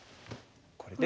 これでは。